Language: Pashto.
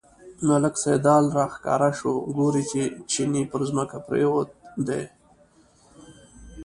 ملک سیدلال راښکاره شو، ګوري چې چیني پر ځمکه پروت دی.